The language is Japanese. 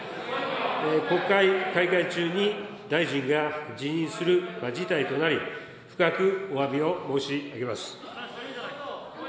国会開会中に大臣が辞任する事態となり、深くおわびを申し上げます。